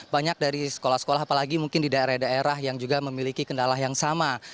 banyak dari sekolah sekolah apalagi mungkin di daerah daerah yang juga memiliki kendala yang sama